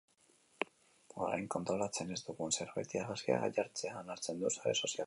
Orain, kontrolatzen ez dugun zerbaiti iragazkiak jartzea onartzen du sare sozialak.